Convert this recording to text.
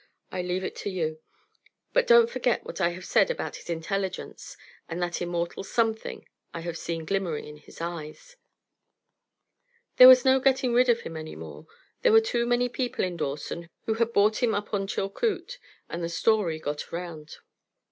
I leave it to you. But don't forget what I have said about his intelligence and that immortal something I have seen glimmering in his eyes. There was no getting rid of him any more. There were too many people in Dawson who had bought him up on Chilcoot, and the story got around.